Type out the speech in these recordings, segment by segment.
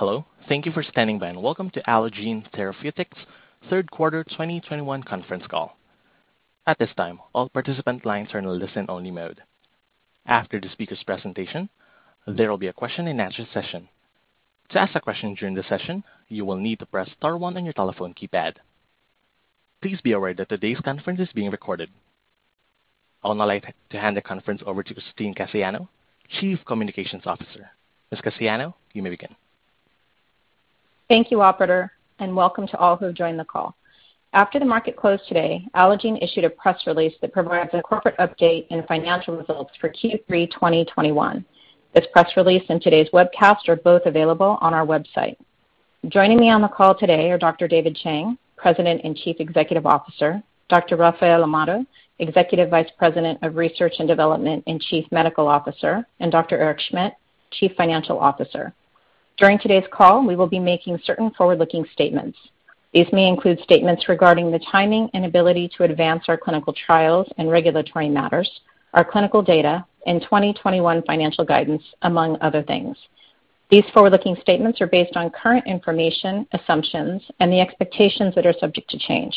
Hello. Thank you for standing by, and welcome to Allogene Therapeutics Third Quarter 2021 Conference Call. At this time, all participant lines are in a listen-only mode. After the speaker's presentation, there will be a question and answer session. To ask a question during the session, you will need to press star one on your telephone keypad. Please be aware that today's conference is being recorded. I would now like to hand the conference over to Christine Cassiano, Chief Communications Officer. Ms. Cassiano, you may begin. Thank you, operator, and welcome to all who have joined the call. After the market closed today, Allogene issued a press release that provides a corporate update and financial results for Q3 2021. This press release and today's webcast are both available on our website. Joining me on the call today are Dr. David Chang, President and Chief Executive Officer, Dr. Rafael Amado, Executive Vice President of Research and Development and Chief Medical Officer, and Dr. Eric Schmidt, Chief Financial Officer. During today's call, we will be making certain forward-looking statements. These may include statements regarding the timing and ability to advance our clinical trials and regulatory matters, our clinical data, and 2021 financial guidance, among other things. These forward-looking statements are based on current information, assumptions, and the expectations that are subject to change.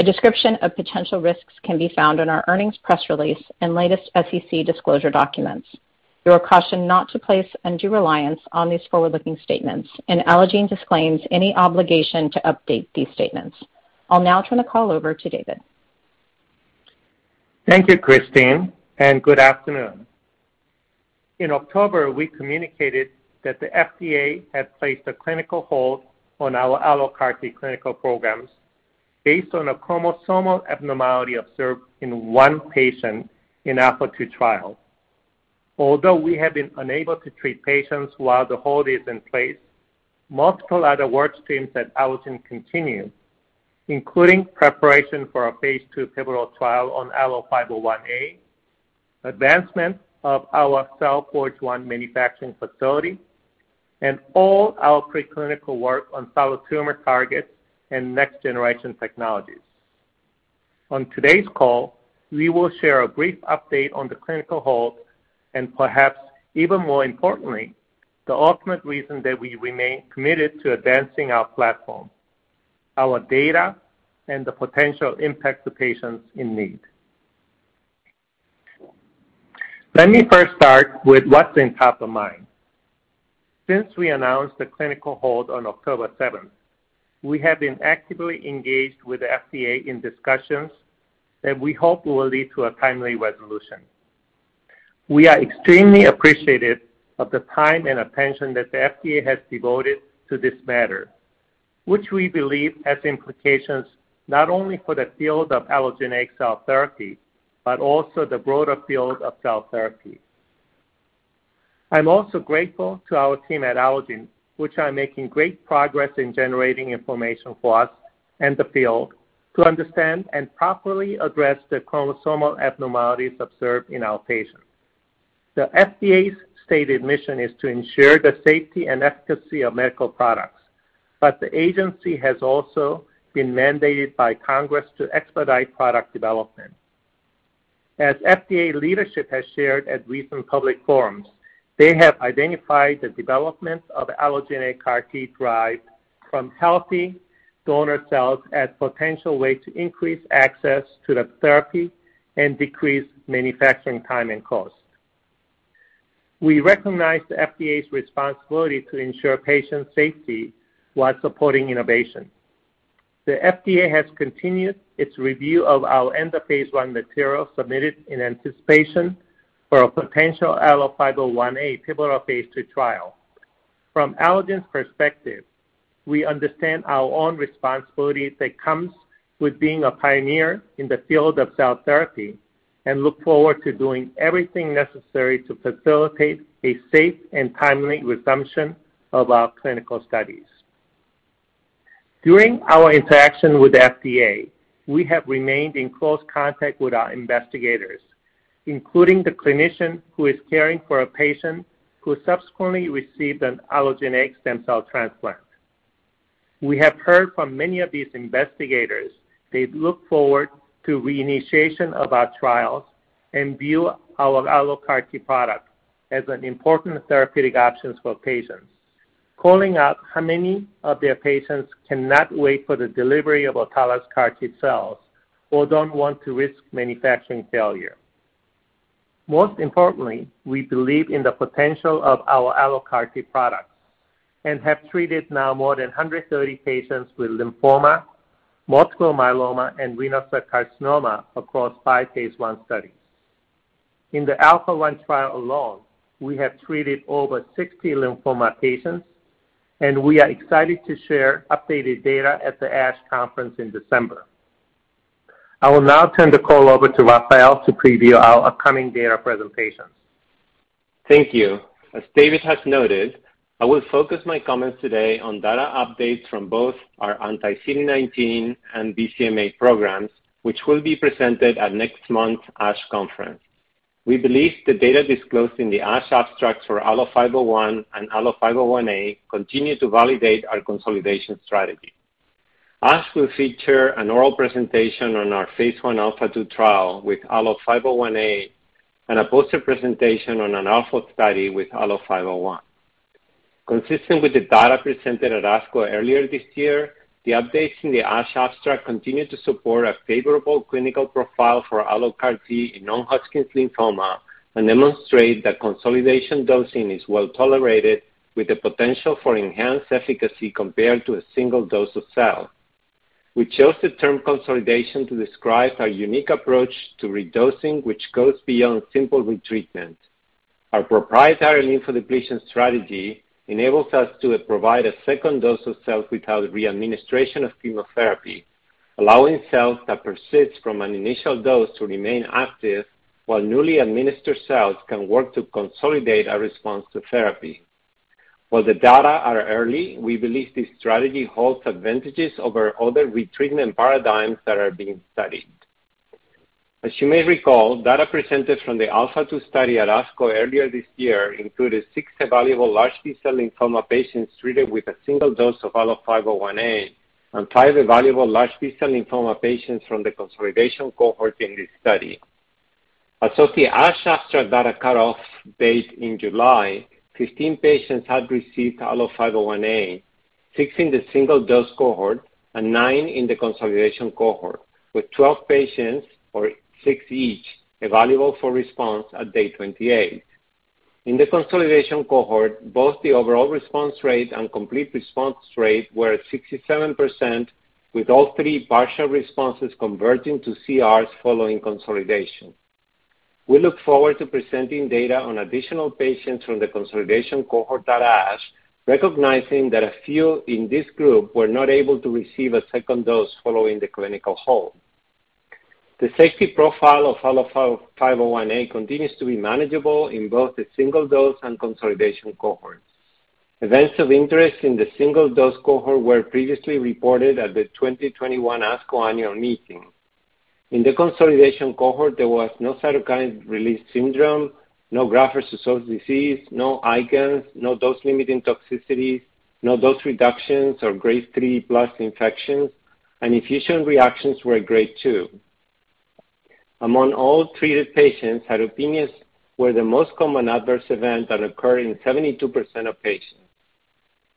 A description of potential risks can be found in our earnings press release and latest SEC disclosure documents. You are cautioned not to place undue reliance on these forward-looking statements, and Allogene disclaims any obligation to update these statements. I'll now turn the call over to David. Thank you, Christine, and good afternoon. In October, we communicated that the FDA had placed a clinical hold on our AlloCAR T clinical programs based on a chromosomal abnormality observed in one patient in ALPHA2 trial. Although we have been unable to treat patients while the hold is in place, multiple other work streams at Allogene continue, including preparation for a phase II pivotal trial on ALLO-501A, advancement of our CellForge 1 manufacturing facility, and all our preclinical work on solid tumor targets and next-generation technologies. On today's call, we will share a brief update on the clinical hold and perhaps even more importantly, the ultimate reason that we remain committed to advancing our platform, our data, and the potential impact to patients in need. Let me first start with what's top of mind. Since we announced the clinical hold on October seventh, we have been actively engaged with the FDA in discussions that we hope will lead to a timely resolution. We are extremely appreciative of the time and attention that the FDA has devoted to this matter, which we believe has implications not only for the field of allogeneic cell therapy, but also the broader field of cell therapy. I'm also grateful to our team at Allogene, which are making great progress in generating information for us and the field to understand and properly address the chromosomal abnormalities observed in our patients. The FDA's stated mission is to ensure the safety and efficacy of medical products, but the agency has also been mandated by Congress to expedite product development. As FDA leadership has shared at recent public forums, they have identified the development of allogeneic CAR T derived from healthy donor cells as a potential way to increase access to the therapy and decrease manufacturing time and cost. We recognize the FDA's responsibility to ensure patient safety while supporting innovation. The FDA has continued its review of our end-of-phase I material submitted in anticipation for a potential ALLO-501A pivotal phase II trial. From Allogene's perspective, we understand our own responsibility that comes with being a pioneer in the field of cell therapy and look forward to doing everything necessary to facilitate a safe and timely resumption of our clinical studies. During our interaction with the FDA, we have remained in close contact with our investigators, including the clinician who is caring for a patient who subsequently received an allogeneic stem cell transplant. We have heard from many of these investigators. They look forward to reinitiation of our trials and view our AlloCAR T product as an important therapeutic options for patients, calling out how many of their patients cannot wait for the delivery of autologous CAR T cells or don't want to risk manufacturing failure. Most importantly, we believe in the potential of our AlloCAR T products and have treated now more than 130 patients with lymphoma, multiple myeloma, and renal cell carcinoma across five phase I studies. In the ALPHA trial alone, we have treated over 60 lymphoma patients, and we are excited to share updated data at the ASH Conference in December. I will now turn the call over to Rafael to preview our upcoming data presentations. Thank you. As David has noted, I will focus my comments today on data updates from both our anti-CD19 and BCMA programs, which will be presented at next month's ASH Conference. We believe the data disclosed in the ASH abstracts for ALLO-501 and ALLO-501A continue to validate our consolidation strategy. ASH will feature an oral presentation on our phase I ALPHA2 trial with ALLO-501A and a poster presentation on an ALPHA study with ALLO-501. Consistent with the data presented at ASCO earlier this year, the updates in the ASH abstract continue to support a favorable clinical profile for AlloCAR T in non-Hodgkin's lymphoma and demonstrate that consolidation dosing is well-tolerated with the potential for enhanced efficacy compared to a single dose of cell. We chose the term consolidation to describe our unique approach to redosing, which goes beyond simple retreatment. Our proprietary lymphodepletion strategy enables us to provide a second dose of cells without re-administration of chemotherapy, allowing cells that persist from an initial dose to remain active while newly administered cells can work to consolidate a response to therapy. While the data are early, we believe this strategy holds advantages over other retreatment paradigms that are being studied. As you may recall, data presented from the ALPHA2 study at ASCO earlier this year included six evaluable large B-cell lymphoma patients treated with a single dose of ALLO-501A and five evaluable large B-cell lymphoma patients from the consolidation cohort in this study. As of the ASH abstract data cut-off date in July, 15 patients had received ALLO-501A, six in the single dose cohort and nine in the consolidation cohort, with 12 patients or six each evaluable for response at day 28. In the consolidation cohort, both the overall response rate and complete response rate were at 67%, with all three partial responses converting to CRs following consolidation. We look forward to presenting data on additional patients from the consolidation cohort at ASH, recognizing that a few in this group were not able to receive a second dose following the clinical hold. The safety profile of ALLO-501A continues to be manageable in both the single dose and consolidation cohorts. Events of interest in the single dose cohort were previously reported at the 2021 ASCO annual meeting. In the consolidation cohort, there was no cytokine release syndrome, no graft-versus-host disease, no ICANS, no dose-limiting toxicities, no dose reductions or grade 3+ infections, and infusion reactions were grade two. Among all treated patients, cytopenias were the most common adverse event that occurred in 72% of patients.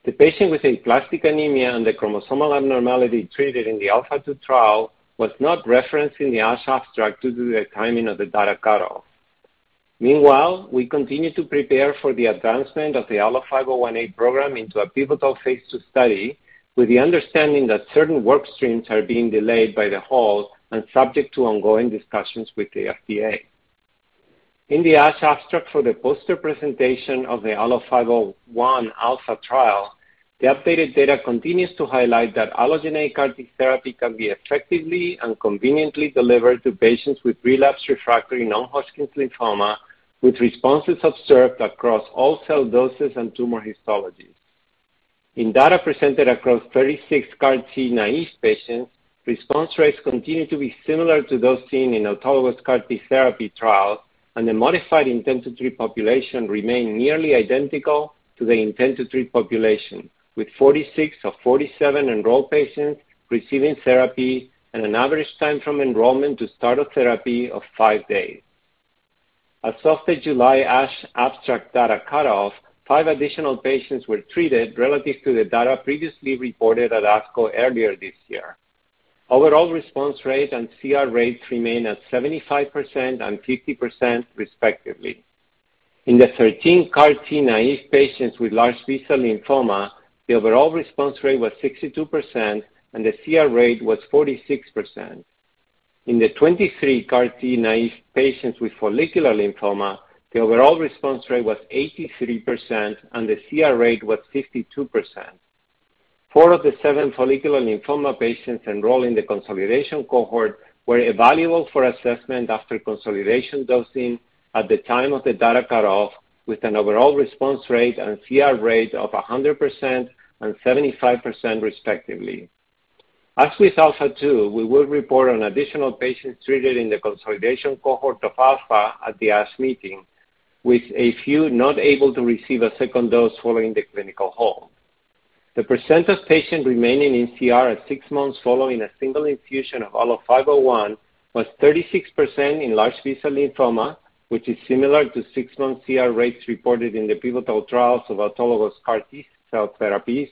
The patient with aplastic anemia and the chromosomal abnormality treated in the ALPHA2 trial was not referenced in the ASH abstract due to the timing of the data cut-off. Meanwhile, we continue to prepare for the advancement of the ALLO-501A program into a pivotal phase II study with the understanding that certain work streams are being delayed by the hold and subject to ongoing discussions with the FDA. In the ASH abstract for the poster presentation of the ALLO-501 ALPHA trial, the updated data continues to highlight that allogeneic CAR T therapy can be effectively and conveniently delivered to patients with relapsed/refractory non-Hodgkin's lymphoma, with responses observed across all cell doses and tumor histologies. In data presented across 36 CAR T naive patients, response rates continue to be similar to those seen in autologous CAR T therapy trials, and the modified intent-to-treat population remained nearly identical to the intent-to-treat population, with 46 of 47 enrolled patients receiving therapy and an average time from enrollment to start of therapy of five days. As of the July ASH abstract data cut-off, five additional patients were treated relative to the data previously reported at ASCO earlier this year. Overall response rate and CR rates remain at 75% and 50% respectively. In the 13 CAR T naive patients with large B-cell lymphoma, the overall response rate was 62% and the CR rate was 46%. In the 23 CAR T naive patients with follicular lymphoma, the overall response rate was 83% and the CR rate was 52%. Four of the seven follicular lymphoma patients enrolled in the consolidation cohort were evaluable for assessment after consolidation dosing at the time of the data cut-off, with an overall response rate and CR rate of 100% and 75% respectively. As with ALPHA2, we will report on additional patients treated in the consolidation cohort of alpha at the ASH meeting, with a few not able to receive a second dose following the clinical hold. The percent of patients remaining in CR at six months following a single infusion of ALLO-501 was 36% in large B-cell lymphoma, which is similar to six-month CR rates reported in the pivotal trials of autologous CAR T-cell therapies,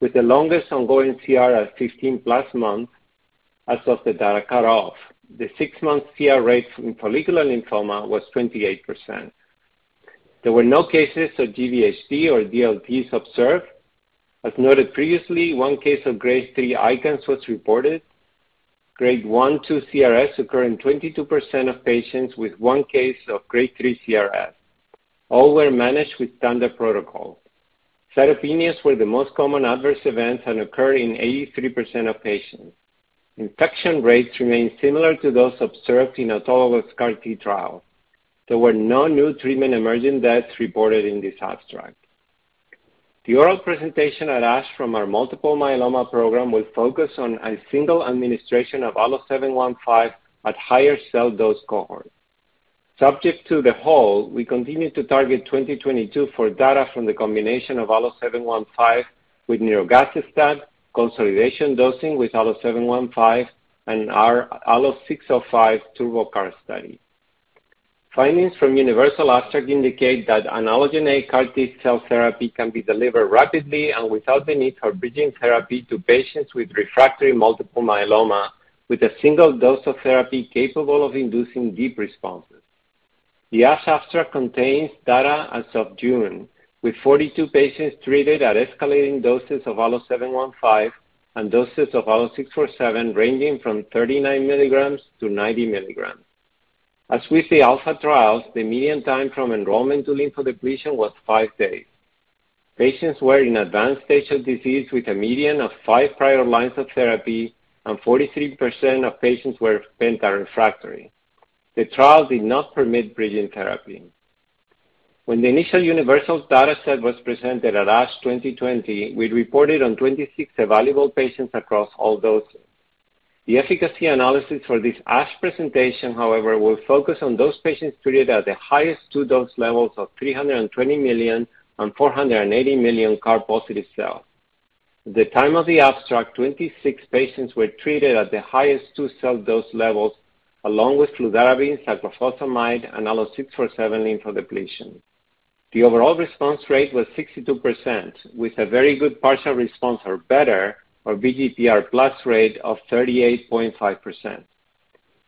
with the longest ongoing CR at 15+ months as of the data cut-off. The six-month CR rate from follicular lymphoma was 28%. There were no cases of GvHD or DLTs observed. As noted previously, one case of grade three ICANS was reported. Grade 1/2 CRS occurred in 22% of patients with one case of grade three CRS. All were managed with standard protocol. Cytopenias were the most common adverse events and occurred in 83% of patients. Infection rates remained similar to those observed in autologous CAR T trial. There were no new treatment-emerging deaths reported in this abstract. The oral presentation at ASH from our multiple myeloma program will focus on a single administration of ALLO-715 at higher cell dose cohort. Overall, we continue to target 2022 for data from the combination of ALLO-715 with nirogacestat, consolidation dosing with ALLO-715, and our ALLO-605 TurboCAR study. Findings from UNIVERSAL abstract indicate that an allogeneic CAR T cell therapy can be delivered rapidly and without the need for bridging therapy to patients with refractory multiple myeloma, with a single dose of therapy capable of inducing deep responses. The ASH abstract contains data as of June, with 42 patients treated at escalating doses of ALLO-715 and doses of ALLO-647 ranging from 39mg-90mg. As with the ALPHA trials, the median time from enrollment to lymphodepletion was five days. Patients were in advanced stage of disease with a median of 5 prior lines of therapy, and 43% of patients were penta-refractory. The trial did not permit bridging therapy. When the initial UNIVERSAL data set was presented at ASH 2020, we reported on 26 evaluable patients across all doses. The efficacy analysis for this ASH presentation, however, will focus on those patients treated at the highest two dose levels of 320 million and 480 million CAR-positive cells. At the time of the abstract, 26 patients were treated at the highest two cell dose levels, along with fludarabine, cyclophosphamide, and ALLO-647 lymphodepletion. The overall response rate was 62%, with a Very Good Partial Response or better, or VGPR+ rate of 38.5%.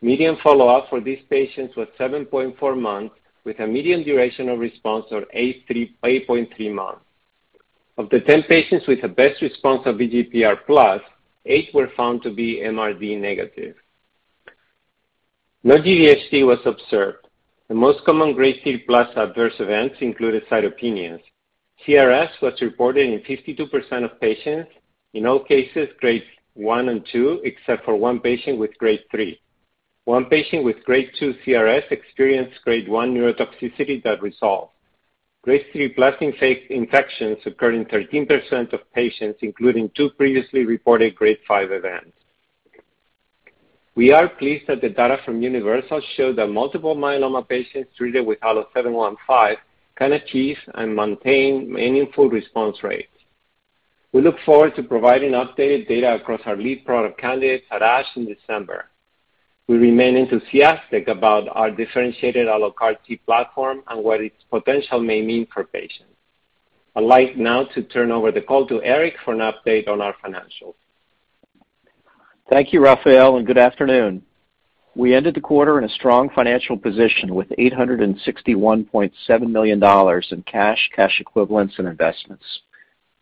Median follow-up for these patients was 7.4 months, with a median duration of response of 8.3 months. Of the 10 patients with the best response of VGPR+, 8 were found to be MRD-negative. No GvHD was observed. The most common grade 3+ adverse events included cytopenias. CRS was reported in 52% of patients. In all cases, grade one and two, except for one patient with grade three. One patient with grade two CRS experienced grade one neurotoxicity that resolved. Grade three blast phase infections occurred in 13% of patients, including two previously reported grade five events. We are pleased that the data from UNIVERSAL show that multiple myeloma patients treated with ALLO-715 can achieve and maintain meaningful response rates. We look forward to providing updated data across our lead product candidates at ASH in December. We remain enthusiastic about our differentiated AlloCAR T platform and what its potential may mean for patients. I'd like now to turn over the call to Eric for an update on our financials. Thank you, Rafael, and good afternoon. We ended the quarter in a strong financial position with $861.7 million in cash equivalents, and investments.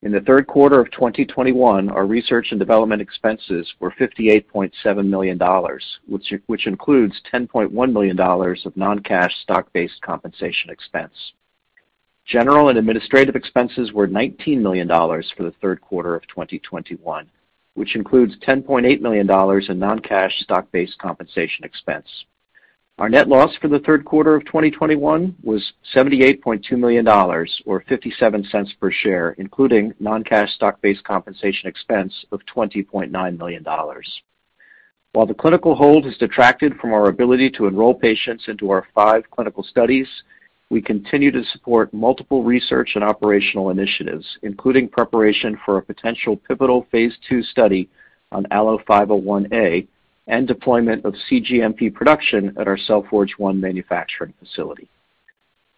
In the third quarter of 2021, our research and development expenses were $58.7 million, which includes $10.1 million of non-cash stock-based compensation expense. General and administrative expenses were $19 million for the third quarter of 2021, which includes $10.8 million in non-cash stock-based compensation expense. Our net loss for the third quarter of 2021 was $78.2 million or $0.57 per share, including non-cash stock-based compensation expense of $20.9 million. While the clinical hold has detracted from our ability to enroll patients into our five clinical studies, we continue to support multiple research and operational initiatives, including preparation for a potential pivotal phase II study on ALLO-501A and deployment of cGMP production at our CellForge 1 manufacturing facility.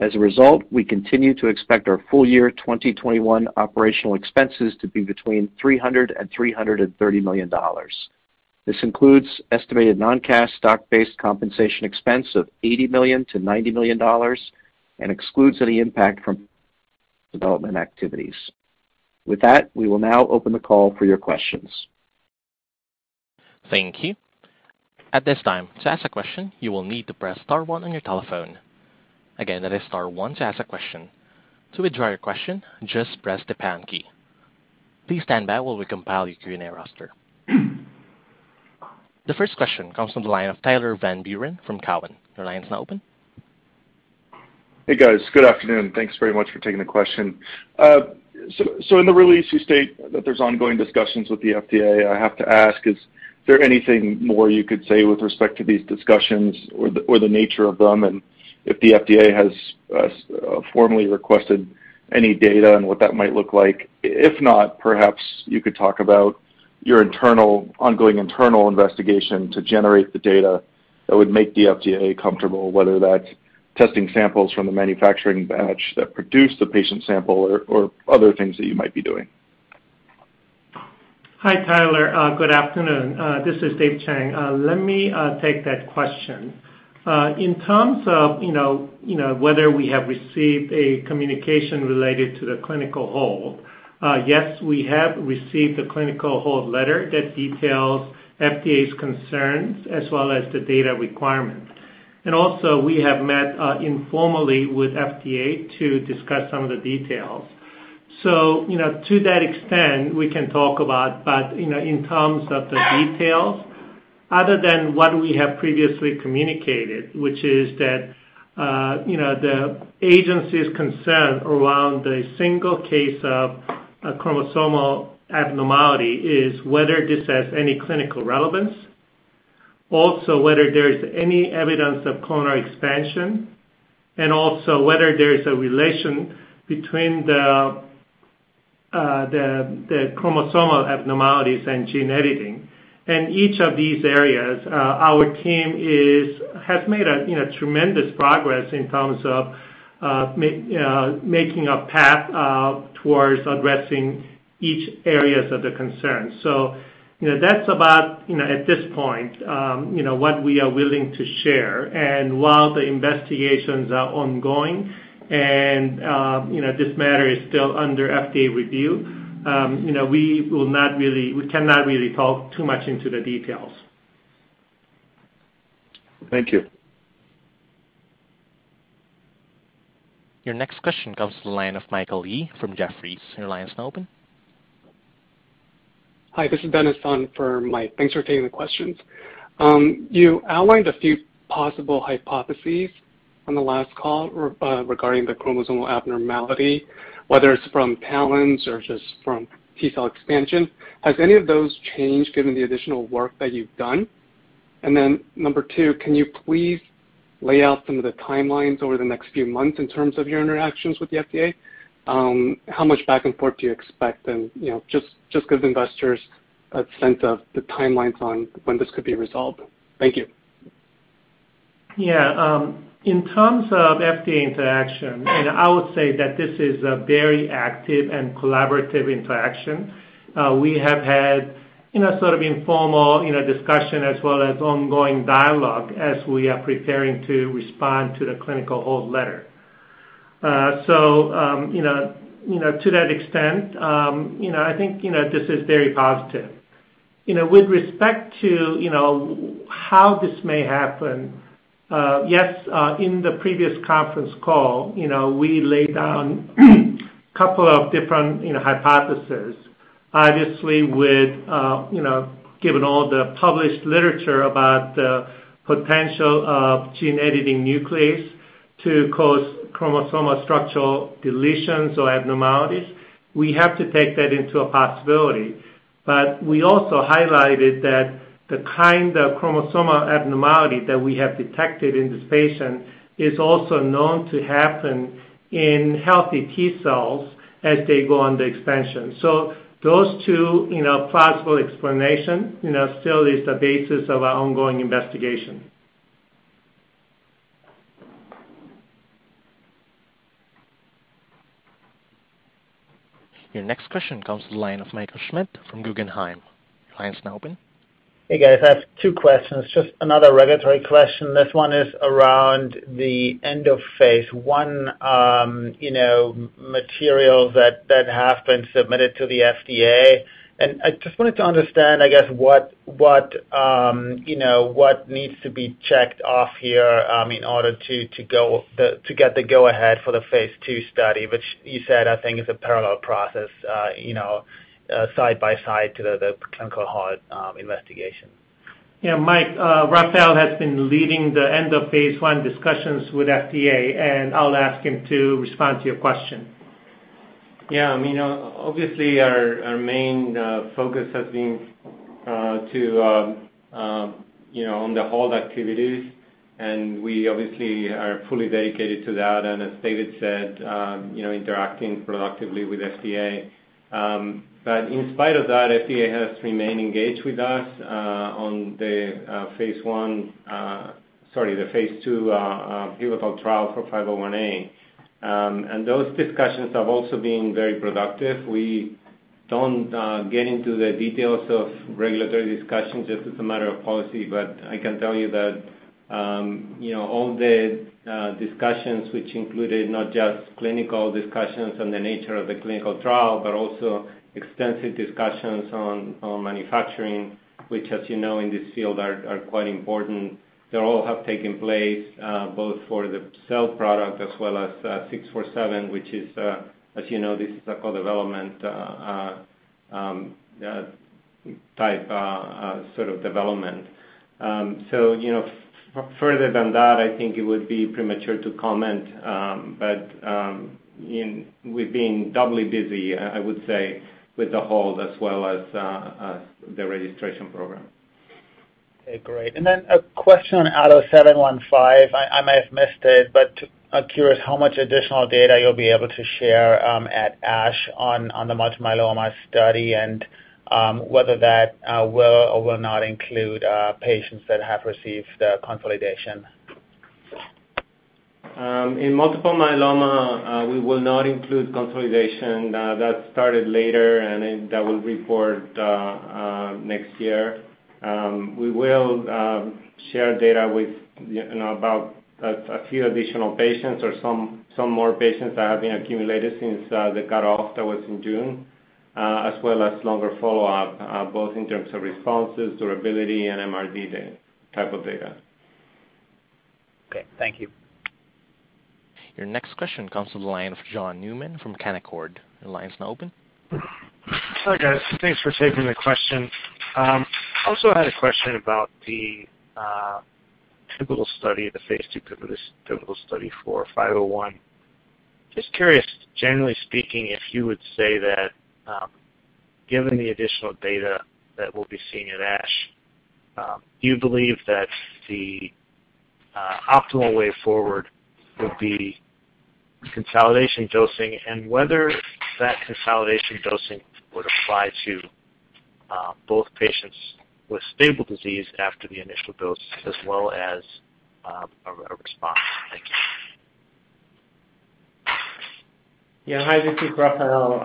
As a result, we continue to expect our full-year 2021 operational expenses to be between $300 million and $330 million. This includes estimated non-cash stock-based compensation expense of $80 million-$90 million and excludes any impact from development activities. With that, we will now open the call for your questions. Thank you. At this time, to ask a question, you will need to press star one on your telephone. Again, that is star one to ask a question. To withdraw your question, just press the pound key. Please stand by while we compile your Q&A roster. The first question comes from the line of Tyler Van Buren from Cowen. Your line is now open. Hey, guys. Good afternoon. Thanks very much for taking the question. In the release, you state that there's ongoing discussions with the FDA. I have to ask, is there anything more you could say with respect to these discussions or the nature of them? If the FDA has formally requested any data, what that might look like. If not, perhaps you could talk about your ongoing internal investigation to generate the data that would make the FDA comfortable, whether that's testing samples from the manufacturing batch that produced the patient sample or other things that you might be doing. Hi, Tyler. Good afternoon. This is Dave Chang. Let me take that question. In terms of, you know, whether we have received a communication related to the clinical hold, yes, we have received the clinical hold letter that details FDA's concerns as well as the data requirements. We have met informally with FDA to discuss some of the details. To that extent, we can talk about it, but in terms of the details, other than what we have previously communicated, which is that, you know, the agency's concern around the single case of A chromosomal abnormality is whether this has any clinical relevance, also whether there is any evidence of clonal expansion, and also whether there is a relation between the chromosomal abnormalities and gene editing. In each of these areas, our team has made a you know tremendous progress in terms of making a path towards addressing each areas of the concern. You know, that's about you know at this point you know what we are willing to share. While the investigations are ongoing and you know this matter is still under FDA review you know we cannot really talk too much into the details. Thank you. Your next question comes to the line of Michael Yee from Jefferies. Your line is now open. Hi, this is Ben Asson for Mike. Thanks for taking the questions. You outlined a few possible hypotheses on the last call regarding the chromosomal abnormality, whether it's from TALEN or just from T-cell expansion. Has any of those changed given the additional work that you've done? Number two, can you please lay out some of the timelines over the next few months in terms of your interactions with the FDA? How much back and forth do you expect? You know, just give investors a sense of the timelines on when this could be resolved. Thank you. Yeah. In terms of FDA interaction, and I would say that this is a very active and collaborative interaction, we have had, you know, sort of informal, you know, discussion as well as ongoing dialogue as we are preparing to respond to the clinical hold letter. To that extent, you know, I think, you know, this is very positive. You know, with respect to, you know, how this may happen, yes, in the previous conference call, you know, we laid down couple of different, you know, hypothesis. Obviously with, you know, given all the published literature about the potential of gene editing nuclease to cause chromosomal structural deletions or abnormalities, we have to take that into a possibility. We also highlighted that the kind of chromosomal abnormality that we have detected in this patient is also known to happen in healthy T-cells as they go under expansion. Those two, you know, possible explanation, you know, still is the basis of our ongoing investigation. Your next question comes to the line of Michael Schmidt from Guggenheim. Your line is now open. Hey, guys. I have two questions. Just another regulatory question. This one is around the end of phase I, you know, materials that have been submitted to the FDA. I just wanted to understand, I guess what you know what needs to be checked off here, in order to get the go ahead for the phase II study, which you said I think is a parallel process, you know, side by side to the clinical hold investigation. Yeah. Mike, Rafael has been leading the end of phase I discussions with FDA, and I'll ask him to respond to your question. Yeah. I mean, obviously our main focus has been you know on the hold activities, and we obviously are fully dedicated to that. As David said, you know, interacting productively with FDA. In spite of that, FDA has remained engaged with us on the phase II pivotal trial for 501A. Those discussions have also been very productive. We don't get into the details of regulatory discussions just as a matter of policy, but I can tell you that you know all the discussions which included not just clinical discussions on the nature of the clinical trial, but also extensive discussions on manufacturing, which as you know in this field are quite important. They all have taken place both for the cell product as well as 647, which is, as you know, this is a co-development type sort of development. You know, further than that, I think it would be premature to comment. We're being doubly busy, I would say, with the hold as well as the registration program. Okay, great. A question on ALLO-715. I may have missed it, but I'm curious how much additional data you'll be able to share at ASH on the multiple myeloma study and whether that will or will not include patients that have received the consolidation. In multiple myeloma, we will not include consolidation that started later and then that will report next year. We will share data with you know, about a few additional patients or some more patients that have been accumulated since the cutoff that was in June, as well as longer follow-up both in terms of responses, durability and MRD type of data. Okay. Thank you. Your next question comes from the line of John Newman from Canaccord. Your line is now open. Hi guys, thanks for taking the question. Also had a question about the pivotal study, the phase II pivotal study for 501. Just curious, generally speaking, if you would say that, given the additional data that we'll be seeing at ASH, do you believe that the optimal way forward would be consolidation dosing, and whether that consolidation dosing would apply to both patients with stable disease after the initial dose as well as a response? Thank you. Yeah, hi, this is Rafael.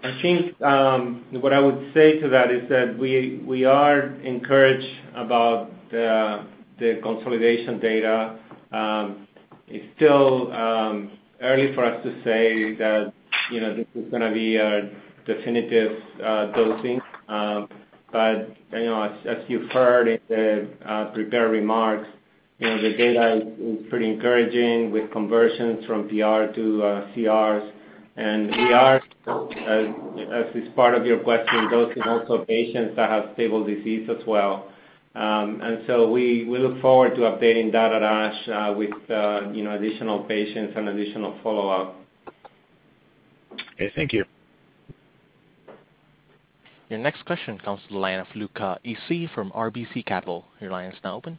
I think what I would say to that is that we are encouraged about the consolidation data. It's still early for us to say that, you know, this is gonna be a definitive dosing. You know, as you've heard in the prepared remarks, you know, the data is pretty encouraging with conversions from PR to CRs. We are, as is part of your question, dosing also patients that have stable disease as well. We look forward to updating that at ASH with you know, additional patients and additional follow-up. Okay, thank you. Your next question comes from the line of Luca Issi from RBC Capital. Your line is now open.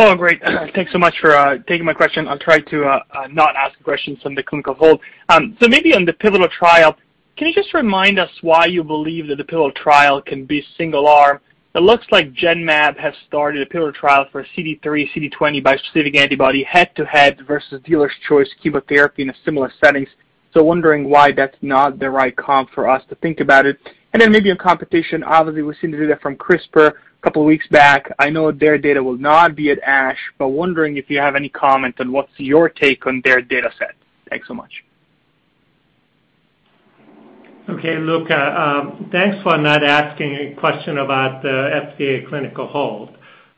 Oh, great. Thanks so much for taking my question. I'll try to not ask questions on the clinical hold. Maybe on the pivotal trial, can you just remind us why you believe that the pivotal trial can be single arm? It looks like Genmab has started a pivotal trial for CD3, CD20 bispecific antibody head-to-head versus physician's choice chemotherapy in a similar settings. Wondering why that's not the right comp for us to think about it. Maybe on competition, obviously we've seen the data from CRISPR couple weeks back. I know their data will not be at ASH, but wondering if you have any comment on what's your take on their data set. Thanks so much. Okay, Luca, thanks for not asking a question about the FDA clinical hold.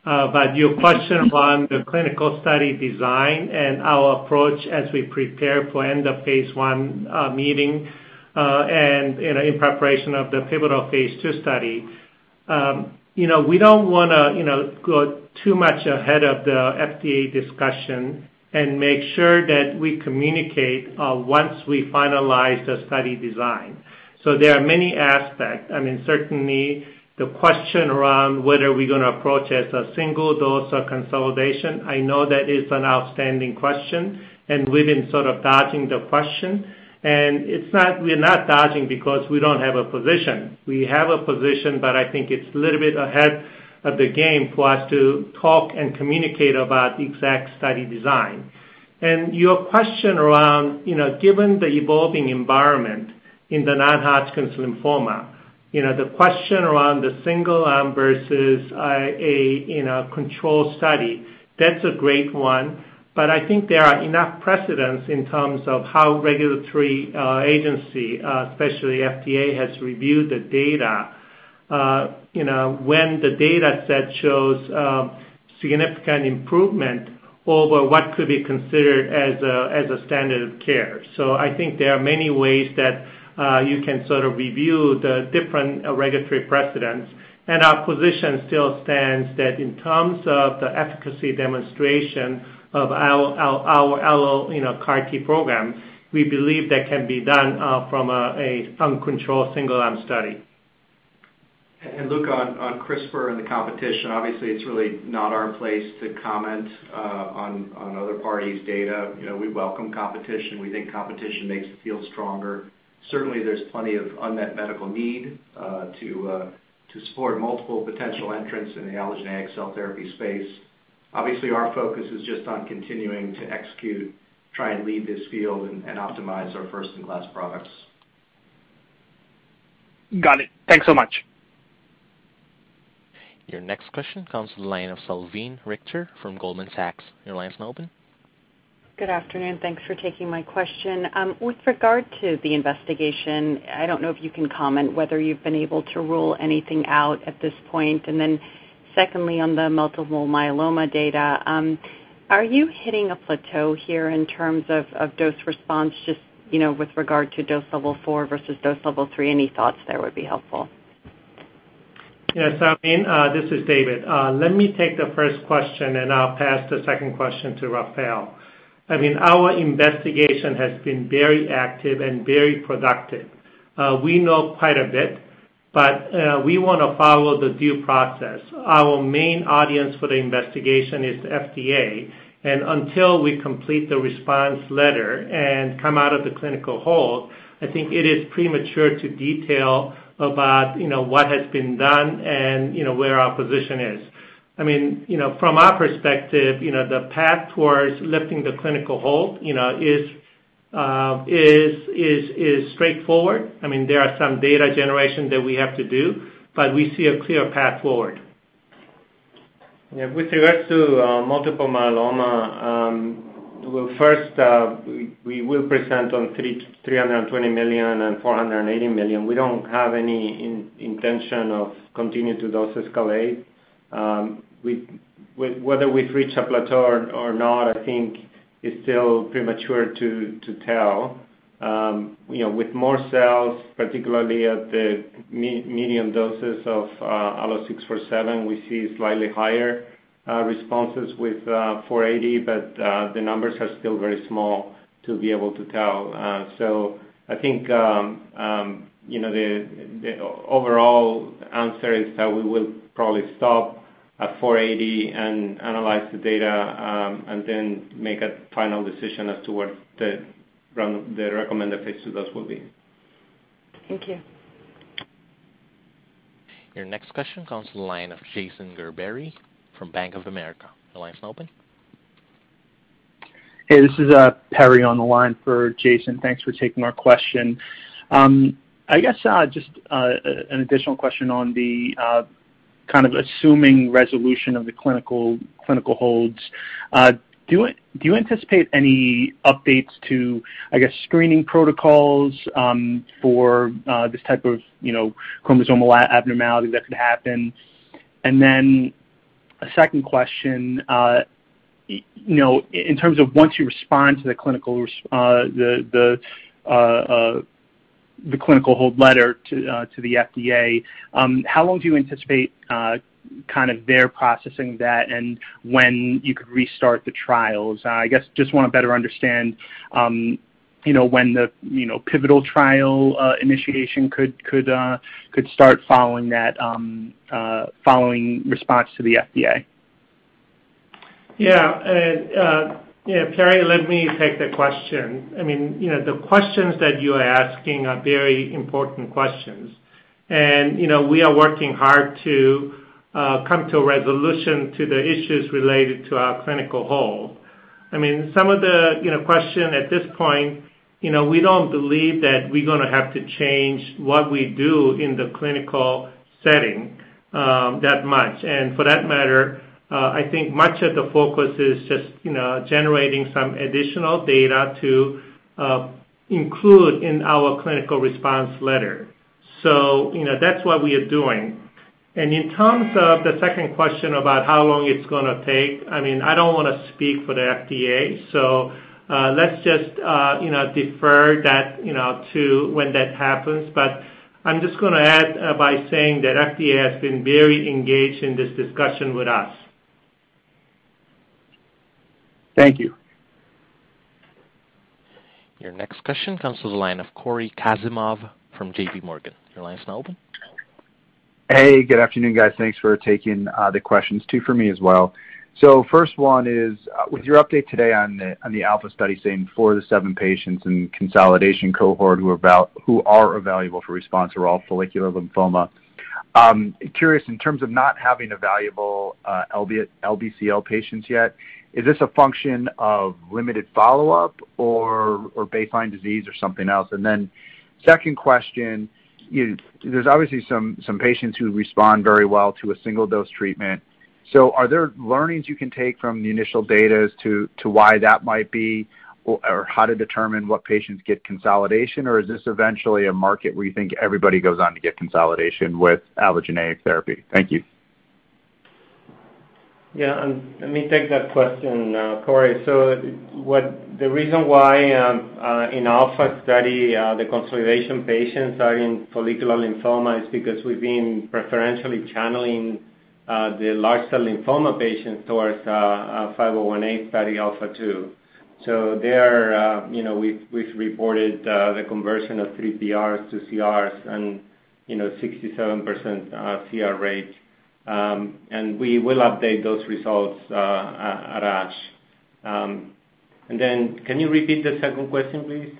But your question around the clinical study design and our approach as we prepare for end of phase I meeting and, you know, in preparation of the pivotal phase II study, you know, we don't wanna go too much ahead of the FDA discussion and make sure that we communicate once we finalize the study design. There are many aspects. I mean, certainly the question around whether we're gonna approach as a single dose or consolidation, I know that is an outstanding question, and we've been sort of dodging the question. It's not. We're not dodging because we don't have a position. We have a position, but I think it's a little bit ahead of the game for us to talk and communicate about the exact study design. Your question around, you know, given the evolving environment in the non-Hodgkin's lymphoma, you know, the question around the single arm versus, you know, controlled study, that's a great one. I think there are enough precedents in terms of how regulatory agency, especially FDA, has reviewed the data, you know, when the dataset shows, significant improvement over what could be considered as a standard of care. I think there are many ways that you can sort of review the different regulatory precedents. Our position still stands that in terms of the efficacy demonstration of our AlloCAR T program, we believe that can be done from an uncontrolled single-arm study. Look on CRISPR and the competition. Obviously it's really not our place to comment on other parties' data. You know, we welcome competition. We think competition makes the field stronger. Certainly, there's plenty of unmet medical need to support multiple potential entrants in the allogeneic cell therapy space. Obviously, our focus is just on continuing to execute, try and lead this field and optimize our first-in-class products. Got it. Thanks so much. Your next question comes from the line of Salveen Richter from Goldman Sachs. Your line is now open. Good afternoon. Thanks for taking my question. With regard to the investigation, I don't know if you can comment whether you've been able to rule anything out at this point. Secondly, on the multiple myeloma data, are you hitting a plateau here in terms of dose response just, you know, with regard to dose level four versus dose level three? Any thoughts there would be helpful. Yeah, Salveen, this is David. Let me take the first question, and I'll pass the second question to Rafael. I mean, our investigation has been very active and very productive. We know quite a bit, but we wanna follow the due process. Our main audience for the investigation is the FDA, and until we complete the response letter and come out of the clinical hold, I think it is premature to detail about, you know, what has been done and, you know, where our position is. I mean, you know, from our perspective, you know, the path towards lifting the clinical hold, you know, is straightforward. I mean, there are some data generation that we have to do, but we see a clear path forward. Yeah, with regards to multiple myeloma, well first, we will present on $320 million and $480 million. We don't have any intention of continuing to dose escalate. Whether we've reached a plateau or not, I think it's still premature to tell. You know, with more cells, particularly at the medium doses of ALLO-647, we see slightly higher responses with 480, but the numbers are still very small to be able to tell. I think, you know, the overall answer is that we will probably stop at 480 and analyze the data, and then make a final decision as to what the recommended phase II dose will be. Thank you. Your next question comes to the line of Jason Gerberry from Bank of America. Your line is now open. Hey, this is Perry on the line for Jason. Thanks for taking our question. I guess just an additional question on kind of assuming resolution of the clinical holds. Do you anticipate any updates to, I guess, screening protocols for this type of, you know, chromosomal abnormality that could happen? And then a second question, you know, in terms of once you respond to the clinical hold letter to the FDA, how long do you anticipate kind of their processing that and when you could restart the trials? I guess just wanna better understand, you know, when the pivotal trial initiation could start following that, following response to the FDA. Perry, let me take the question. I mean, you know, the questions that you are asking are very important questions. You know, we are working hard to come to a resolution to the issues related to our clinical hold. I mean, some of the, you know, question at this point, you know, we don't believe that we're gonna have to change what we do in the clinical setting, that much. For that matter, I think much of the focus is just, you know, generating some additional data to include in our clinical response letter. You know, that's what we are doing. In terms of the second question about how long it's gonna take, I mean, I don't wanna speak for the FDA, so, let's just, you know, defer that, you know, to when that happens. I'm just gonna add by saying that FDA has been very engaged in this discussion with us. Thank you. Your next question comes to the line of Cory Kasimov from J.P. Morgan. Your line is now open. Hey, good afternoon, guys. Thanks for taking the questions. Two for me as well. First one is, with your update today on the ALPHA study saying four of the seven patients in consolidation cohort who are evaluable for response are all follicular lymphoma. Curious in terms of not having evaluable LBCL patients yet, is this a function of limited follow-up or baseline disease or something else? Second question, there's obviously some patients who respond very well to a single dose treatment. Are there learnings you can take from the initial data as to why that might be or how to determine what patients get consolidation? Or is this eventually a market where you think everybody goes on to get consolidation with allogeneic therapy? Thank you. Let me take that question, Cory. The reason why in ALPHA study the consolidation patients are in follicular lymphoma is because we've been preferentially channeling the large B-cell lymphoma patients towards ALLO-501A study ALPHA2. There, you know, we've reported the conversion of three PR to CRs and, you know, 67% CR rate. We will update those results at ASH. Then can you repeat the second question, please?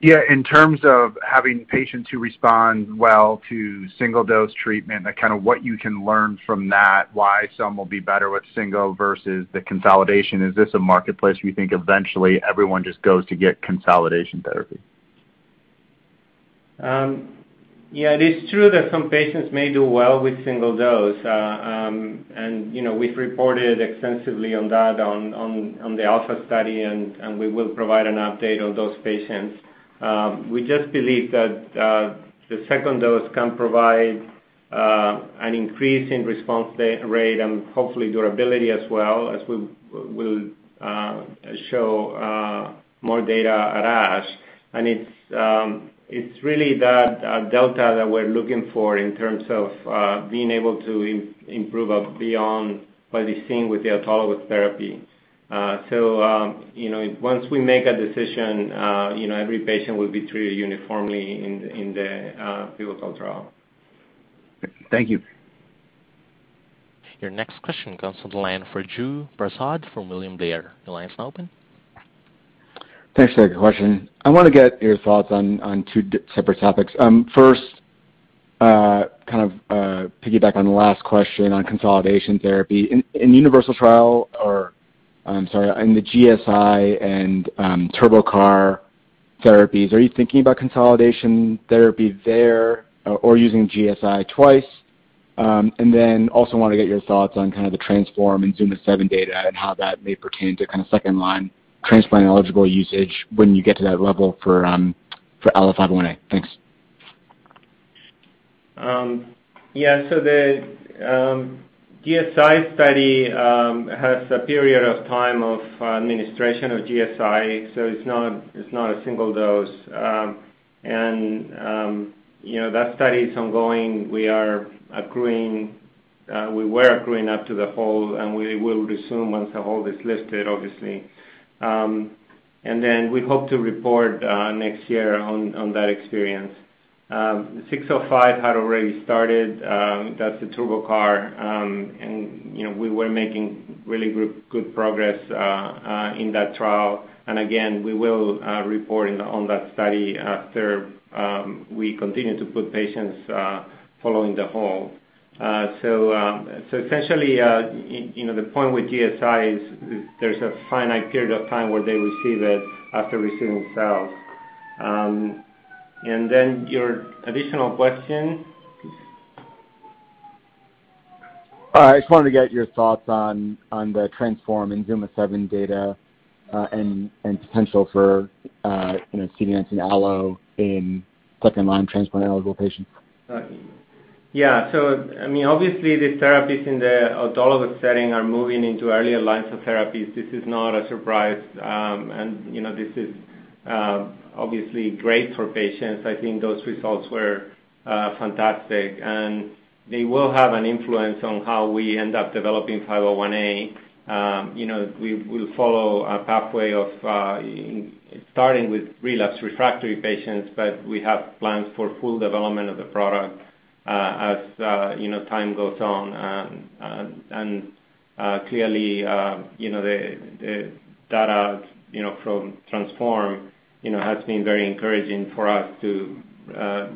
Yeah. In terms of having patients who respond well to single dose treatment and kinda what you can learn from that, why some will be better with single versus the consolidation, is this a marketplace you think eventually everyone just goes to get consolidation therapy? Yeah, it is true that some patients may do well with single dose. You know, we've reported extensively on that on the ALPHA study, and we will provide an update on those patients. We just believe that the second dose can provide an increase in response rate and hopefully durability as well, as we'll show more data at ASH. It's really that delta that we're looking for in terms of being able to improve upon beyond what is seen with the autologous therapy. You know, once we make a decision, every patient will be treated uniformly in the pivotal trial. Thank you. Your next question comes to the line for Raju Prasad from William Blair. Your line is now open. Thanks. Great question. I want to get your thoughts on two separate topics. First, kind of piggyback on the last question on consolidation therapy. In the UNIVERSAL trial or—I'm sorry, in the GSI and turboCAR therapies, are you thinking about consolidation therapy there or using GSI twice? And then also want to get your thoughts on kind of the TRANSFORM and ZUMA-7 data and how that may pertain to kind of second-line transplant-eligible usage when you get to that level for ALLO-501A. Thanks. Yeah. The GSI study has a period of time of administration of GSI. It's not a single dose. You know, that study is ongoing. We were accruing up to the hold, and we will resume once the hold is lifted, obviously. We hope to report next year on that experience. 605 had already started. That's the TurboCAR. You know, we were making really good progress in that trial. We will report on that study after we continue to put patients following the hold. So essentially, you know, the point with GSI is there's a finite period of time where they receive it after receiving cells. Your additional question? I just wanted to get your thoughts on the TRANSFORM and ZUMA-7 data, and potential for, you know, CD19 allo in second-line transplant-eligible patients. Yeah. I mean, obviously the therapies in the autologous setting are moving into earlier lines of therapies. This is not a surprise. You know, this is obviously great for patients. I think those results were fantastic, and they will have an influence on how we end up developing ALLO-501A. You know, we will follow a pathway of starting with relapsed/refractory patients, but we have plans for full development of the product, as you know, time goes on. Clearly, you know, the data you know, from TRANSFORM, you know, has been very encouraging for us to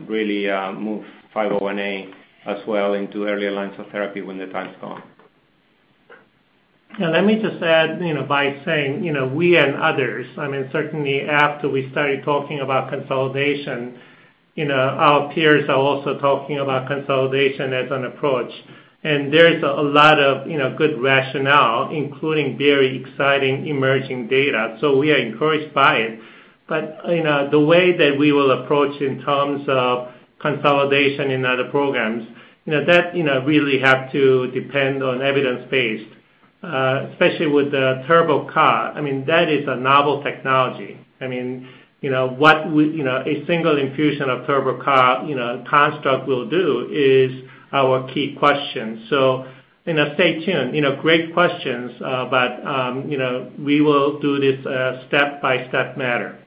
really move ALLO-501A as well into earlier lines of therapy when the time's come. Let me just add, you know, by saying, you know, we and others, I mean, certainly after we started talking about consolidation, you know, our peers are also talking about consolidation as an approach. There's a lot of, you know, good rationale, including very exciting emerging data. We are encouraged by it. You know, the way that we will approach in terms of consolidation in other programs, you know, that, you know, really have to depend on evidence-based, especially with the TurboCAR. I mean, that is a novel technology. I mean, you know what we, you know, a single infusion of TurboCAR, you know, construct will do is our key question. You know, stay tuned. You know, great questions. You know, we will do this step-by-step manner.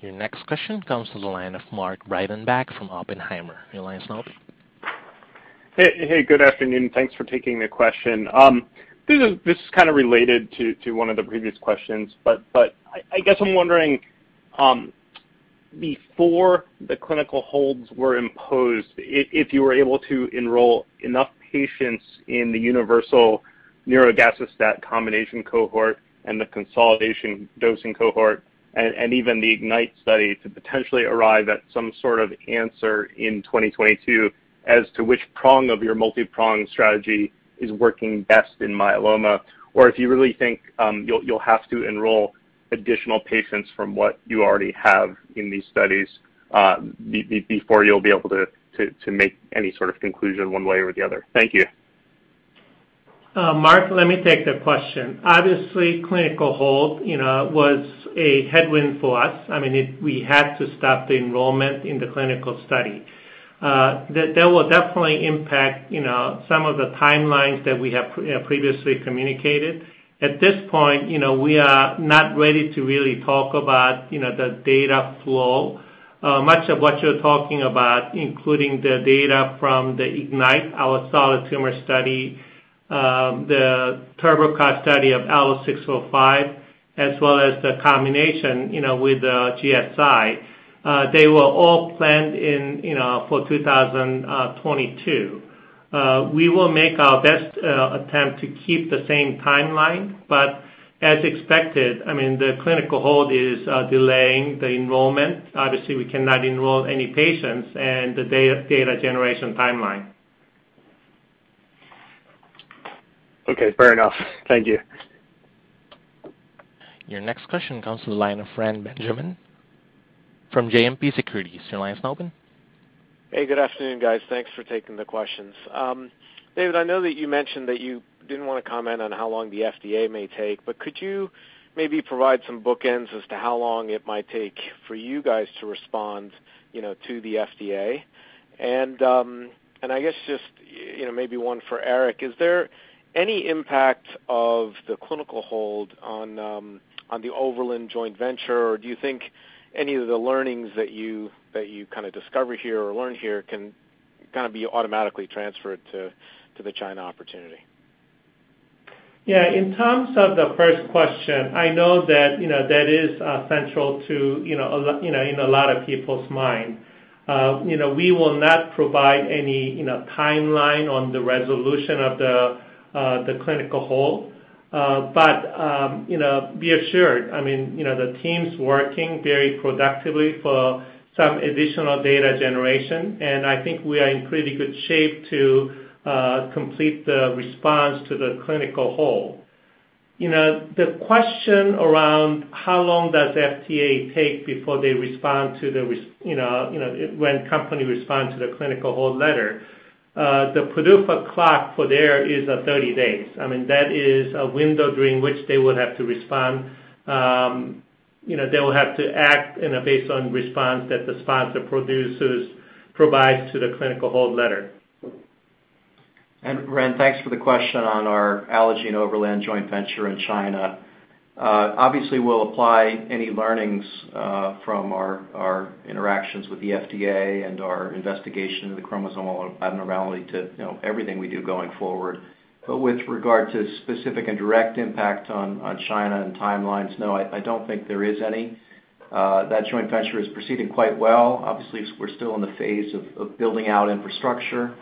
Your next question comes to the line of Mark Breidenbach from Oppenheimer. Your line is now open. Hey. Hey, good afternoon. Thanks for taking the question. This is kind of related to one of the previous questions, but I guess I'm wondering, before the clinical holds were imposed, if you were able to enroll enough patients in the UNIVERSAL nirogacestat combination cohort and the consolidation dosing cohort and even the IGNITE study to potentially arrive at some sort of answer in 2022 as to which prong of your multi-prong strategy is working best in myeloma. Or if you really think you'll have to enroll additional patients from what you already have in these studies, before you'll be able to make any sort of conclusion one way or the other. Thank you. Mark, let me take the question. Obviously, clinical hold, you know, was a headwind for us. I mean, it-- we had to stop the enrollment in the clinical study. That will definitely impact, you know, some of the timelines that we have previously communicated. At this point, you know, we are not ready to really talk about, you know, the data flow. Much of what you're talking about, including the data from the IGNITE, our solid tumor study, the TurboCAR study of ALLO-605, as well as the combination, you know, with GSI, they were all planned in, you know, for 2022. We will make our best, attempt to keep the same timeline, but as expected, I mean, the clinical hold is, delaying the enrollment, obviously we cannot enroll any patients and the data generation timeline. Okay, fair enough. Thank you. Your next question comes to the line of Reni Benjamin from JMP Securities. Your line is now open. Hey, good afternoon, guys. Thanks for taking the questions. David, I know that you mentioned that you didn't wanna comment on how long the FDA may take, but could you maybe provide some bookends as to how long it might take for you guys to respond, you know, to the FDA? And I guess just, you know, maybe one for Eric. Is there any impact of the clinical hold on the Overland joint venture, or do you think any of the learnings that you kind of discover here or learn here can be automatically transferred to the China opportunity? Yeah. In terms of the first question, I know that, you know, that is central to, you know, in a lot of people's mind. You know, we will not provide any, you know, timeline on the resolution of the clinical hold. You know, be assured, I mean, you know, the team's working very productively for some additional data generation, and I think we are in pretty good shape to complete the response to the clinical hold. You know, the question around how long does FDA take before they respond to the response, you know, when a company responds to the clinical hold letter, the PDUFA clock for that is 30 days. I mean, that is a window during which they would have to respond, you know, they will have to act based on response that the sponsor provides to the clinical hold letter. Reni, thanks for the question on our Allogene Overland joint venture in China. Obviously we'll apply any learnings from our our interactions with the FDA and our investigation of the chromosomal abnormality to, you know, everything we do going forward. With regard to specific and direct impact on China and timelines, no, I don't think there is any. That joint venture is proceeding quite well. Obviously, we're still in the phase of building out infrastructure,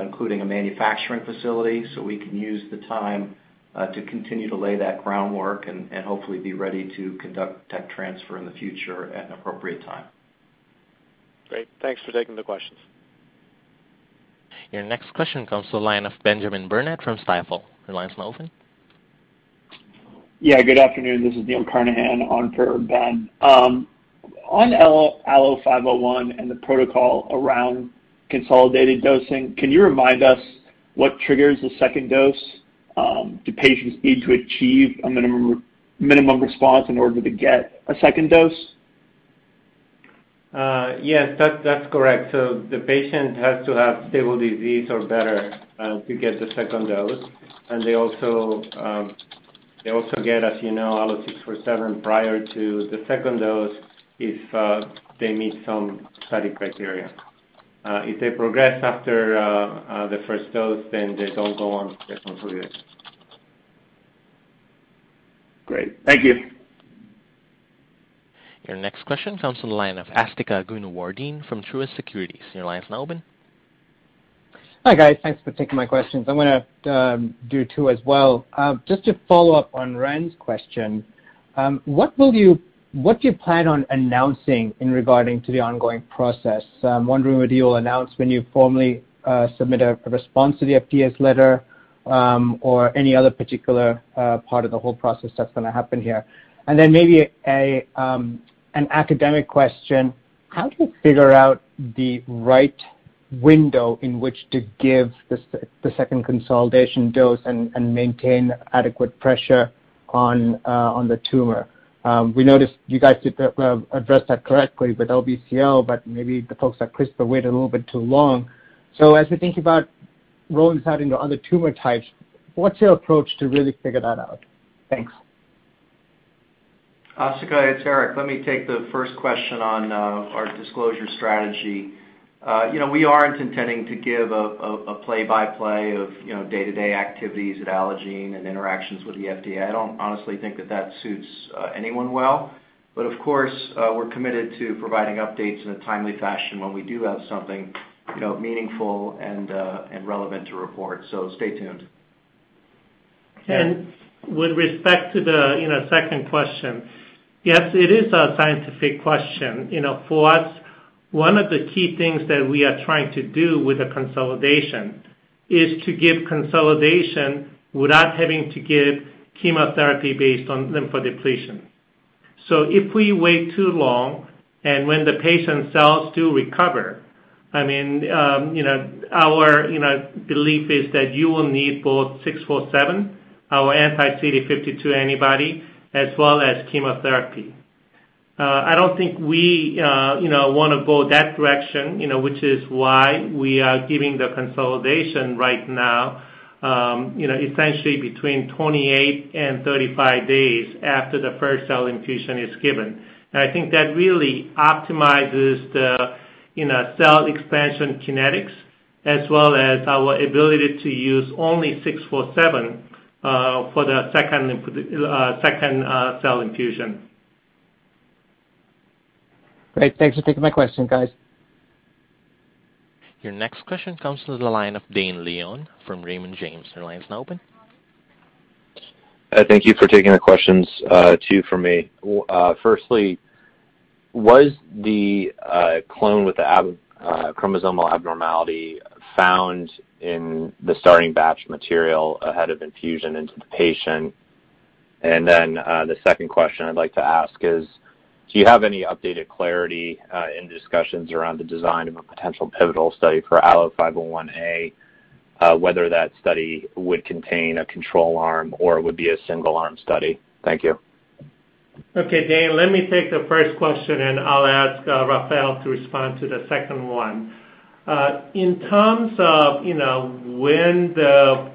including a manufacturing facility, so we can use the time to continue to lay that groundwork and hopefully be ready to conduct tech transfer in the future at an appropriate time. Great. Thanks for taking the questions. Your next question comes to the line of Benjamin Burnett from Stifel. Your line's now open. Yeah, good afternoon. This is Neil Hoolooman on for Ben. On ALLO-501 and the protocol around consolidated dosing, can you remind us what triggers the second dose? Do patients need to achieve a minimum response in order to get a second dose? Yes. That's correct. The patient has to have stable disease or better to get the second dose. They also get, as you know, ALLO-647 prior to the second dose if they meet some study criteria. If they progress after the first dose, then they don't go on the second dose. Great. Thank you. Your next question comes from the line of Asthika Goonewardene from Truist Securities. Your line's now open. Hi, guys. Thanks for taking my questions. I'm gonna do two as well. Just to follow up on Reni's question, what do you plan on announcing in regarding to the ongoing process? I'm wondering whether you will announce when you formally submit a response to the FDA's letter, or any other particular part of the whole process that's gonna happen here. Then maybe an academic question. How do you figure out the right window in which to give the second consolidation dose and maintain adequate pressure on the tumor? We noticed you guys did address that correctly with LBCL, but maybe the folks at CRISPR waited a little bit too long. As we think about rollouts in the other tumor types, what's your approach to really figure that out? Thanks. Asthika, it's Eric. Let me take the first question on our disclosure strategy. You know, we aren't intending to give a play-by-play of day-to-day activities at Allogene and interactions with the FDA. I don't honestly think that suits anyone well. Of course, we're committed to providing updates in a timely fashion when we do have something meaningful and relevant to report. Stay tuned. With respect to the, you know, second question, yes, it is a scientific question. You know, for us, one of the key things that we are trying to do with the consolidation is to give consolidation without having to give chemotherapy based on lymphodepletion. If we wait too long and when the patient cells do recover, I mean, you know, our, you know, belief is that you will need both ALLO-647, our anti-CD52 antibody as well as chemotherapy. I don't think we, you know, wanna go that direction, you know, which is why we are giving the consolidation right now, you know, essentially between 28 and 35 days after the first cell infusion is given. I think that really optimizes the, you know, cell expansion kinetics as well as our ability to use only ALLO-647 for the second cell infusion. Great. Thanks for taking my question, guys. Your next question comes to the line of Dane Leone from Raymond James. Your line's now open. Thank you for taking the questions two from me. Firstly, was the clone with the chromosomal abnormality found in the starting batch material ahead of infusion into the patient? Then, the second question I'd like to ask is, do you have any updated clarity in discussions around the design of a potential pivotal study for ALLO-501A, whether that study would contain a control arm or it would be a single arm study? Thank you. Okay, Dane, let me take the first question, and I'll ask Rafael to respond to the second one. In terms of, you know, when the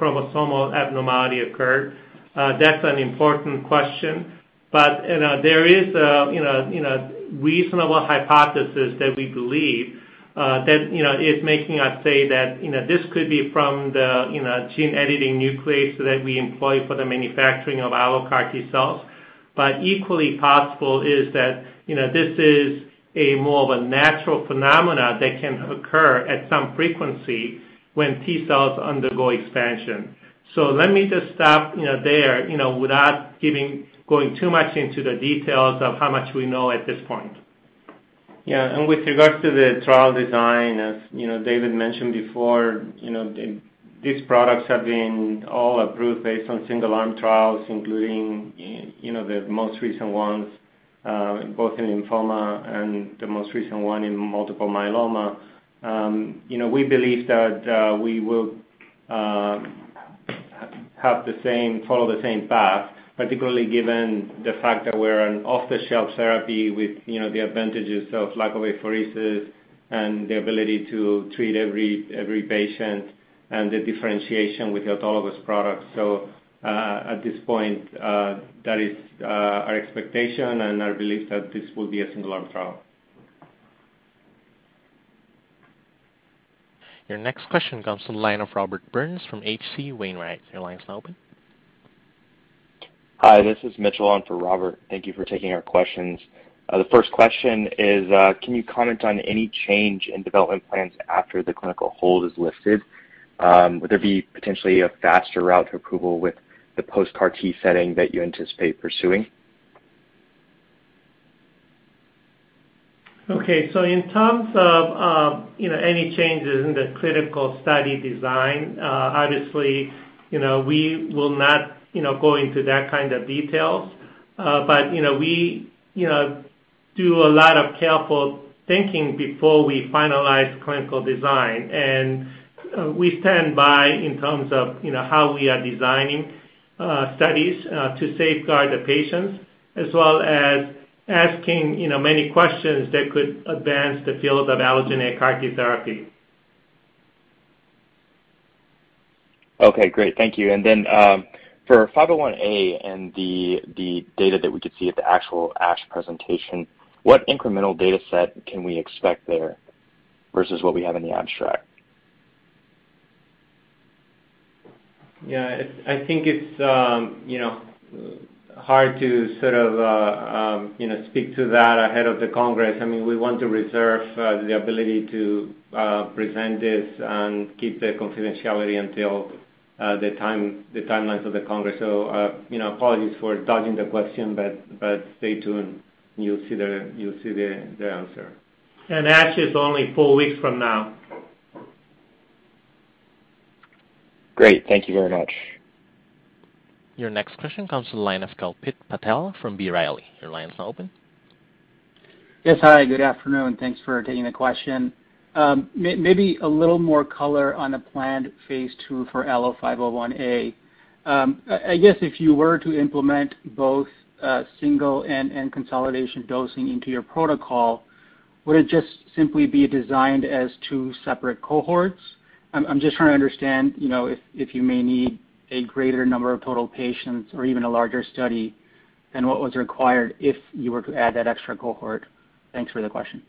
chromosomal abnormality occurred, that's an important question. You know, there is a reasonable hypothesis that we believe that is making us say that this could be from the gene editing nuclease that we employ for the manufacturing of AlloCAR T cells. Equally possible is that, you know, this is more of a natural phenomenon that can occur at some frequency when T cells undergo expansion. Let me just stop there without going too much into the details of how much we know at this point. With regards to the trial design, as you know, David mentioned before, you know, these products have been all approved based on single-arm trials, including, you know, the most recent ones both in lymphoma and the most recent one in multiple myeloma. You know, we believe that we will follow the same path, particularly given the fact that we're an off-the-shelf therapy with, you know, the advantages of lack of apheresis and the ability to treat every patient and the differentiation with autologous products. At this point, that is our expectation and our belief that this will be a single-arm trial. Your next question comes from the line of Robert Burns from H.C. Wainwright. Your line is now open. Hi, this is Mitchell on for Robert. Thank you for taking our questions. The first question is, can you comment on any change in development plans after the clinical hold is lifted? Would there be potentially a faster route to approval with the post-CAR T setting that you anticipate pursuing? Okay. In terms of, you know, any changes in the clinical study design, obviously, you know, we will not, you know, go into that kind of details. But you know, we, you know, do a lot of careful thinking before we finalize clinical design, and we stand by in terms of, you know, how we are designing, studies, to safeguard the patients, as well as asking, you know, many questions that could advance the field of allogeneic CAR T therapy. Okay, great. Thank you. For 501A and the data that we could see at the actual ASH presentation, what incremental data set can we expect there versus what we have in the abstract? I think it's, you know, hard to sort of, you know, speak to that ahead of the Congress. I mean, we want to reserve the ability to present this and keep the confidentiality until the timelines of the Congress. You know, apologies for dodging the question, but stay tuned and you'll see the answer. ASH is only four weeks from now. Great. Thank you very much. Your next question comes from the line of Kalpit Patel from B. Riley. Your line is now open. Yes. Hi, good afternoon. Thanks for taking the question. Maybe a little more color on the planned phase II for ALLO-501A. I guess if you were to implement both single and consolidation dosing into your protocol, would it just simply be designed as two separate cohorts? I'm just trying to understand, you know, if you may need a greater number of total patients or even a larger study, and what was required if you were to add that extra cohort. Thanks for the question.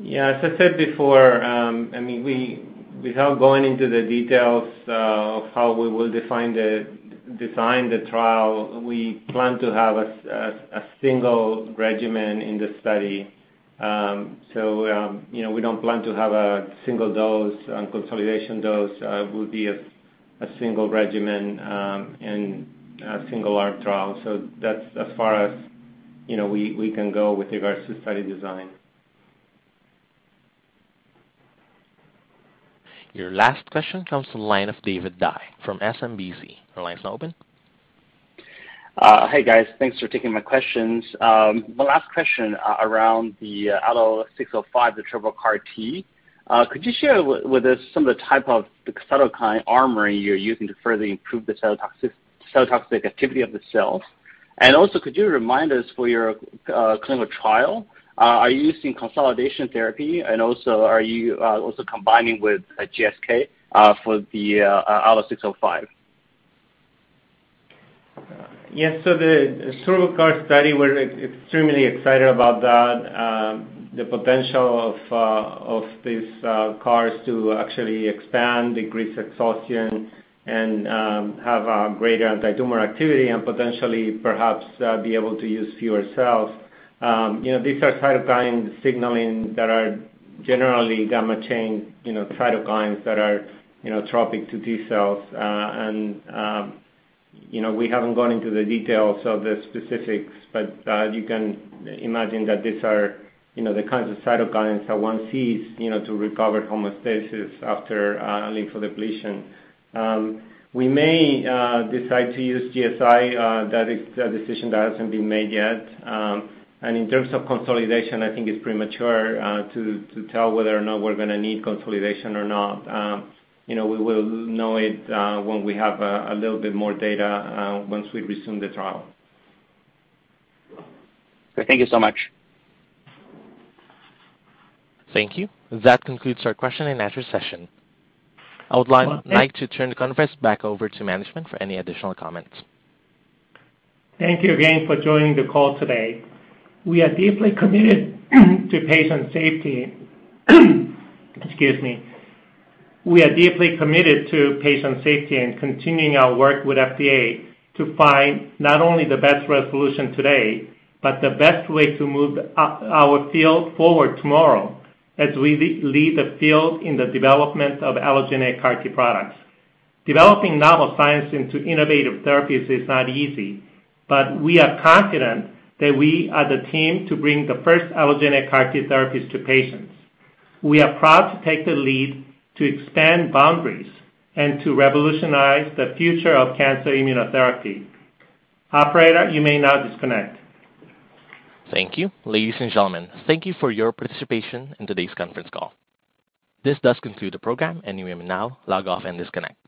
Yeah. As I said before, I mean, without going into the details of how we will define the trial, we plan to have a single regimen in the study. You know, we don't plan to have a single dose and consolidation dose. It would be a single regimen and a single arm trial. That's as far as you know, we can go with regards to study design. Your last question comes from the line of David Dai from SMBC. Your line is now open. Hey, guys. Thanks for taking my questions. My last question around the ALLO-605, the triple CAR T. Could you share with us some of the type of cytokine armoring you're using to further improve the cytotoxic activity of the cells? And also, could you remind us for your clinical trial, are you using consolidation therapy? And also, are you also combining with GSK for the ALLO-605? Yes. The triple CAR study, we're extremely excited about that. The potential of these CARs to actually resist exhaustion and have a greater antitumor activity and potentially perhaps be able to use fewer cells. You know, these are cytokine signaling that are generally gamma chain, you know, cytokines that are, you know, trophic to T cells. You know, we haven't gone into the details of the specifics, but you can imagine that these are, you know, the kinds of cytokines that one sees, you know, to recover homeostasis after lymphodepletion. We may decide to use GSI. That is a decision that hasn't been made yet. In terms of consolidation, I think it's premature to tell whether or not we're gonna need consolidation or not. You know, we will know it when we have a little bit more data once we resume the trial. Thank you so much. Thank you. That concludes our question and answer session. I would like to turn the conference back over to management for any additional comments. Thank you again for joining the call today. We are deeply committed to patient safety. Excuse me. We are deeply committed to patient safety and continuing our work with FDA to find not only the best resolution today, but the best way to move our field forward tomorrow as we lead the field in the development of allogeneic CAR T products. Developing novel science into innovative therapies is not easy, but we are confident that we are the team to bring the first allogeneic CAR T therapies to patients. We are proud to take the lead to expand boundaries and to revolutionize the future of cancer immunotherapy. Operator, you may now disconnect. Thank you. Ladies and gentlemen, thank you for your participation in today's conference call. This does conclude the program, and you may now log off and disconnect.